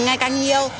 ngay cạnh nhiều